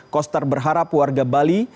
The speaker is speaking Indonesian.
koster berharap warga bali